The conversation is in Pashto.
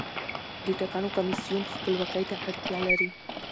د ټاکنو کمیسیون خپلواکۍ ته اړتیا لري